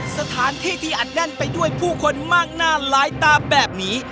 สถานที่ที่อัดแน่นไปด้วยผู้คนมากหน้าหลายตาแบบนี้